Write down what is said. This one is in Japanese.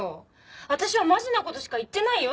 私はマジな事しか言ってないよ